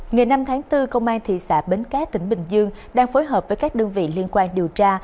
ngày năm tháng bốn công an thị xã bến cát tỉnh bình dương đang phối hợp với các đơn vị liên quan điều tra